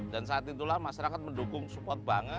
dan saat itulah masyarakat mendukung support banget